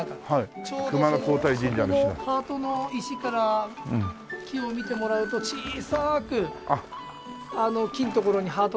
ちょうどそこのハートの石から木を見てもらうと小さく木のところにハートの穴が。